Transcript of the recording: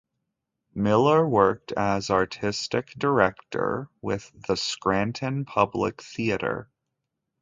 Miller worked as artistic director with the Scranton Public Theatre.